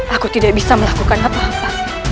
aku tidak bisa melakukan apa apa